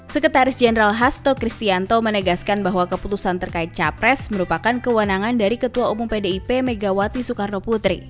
sekretaris jenderal hasto kristianto menegaskan bahwa keputusan terkait capres merupakan kewenangan dari ketua umum pdip megawati soekarno putri